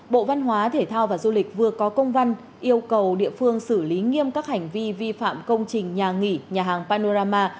bộ văn hóa thể thao và du lịch vừa có công văn yêu cầu địa phương xử lý nghiêm các hành vi vi phạm công trình nhà nghỉ nhà hàng panorama